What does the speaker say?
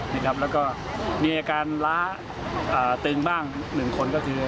มีระยะการล้าตึงบ้างหนึ่งคน